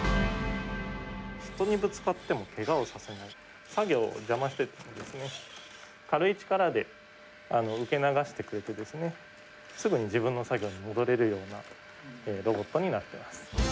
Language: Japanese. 人にぶつかってもけがをさせない、作業を邪魔しても、軽い力で受け流してくれて、すぐに自分の作業に戻れるようなロボットになっています。